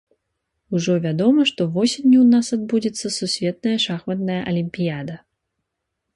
Ужо вядома, што восенню ў нас адбудзецца сусветная шахматная алімпіяда.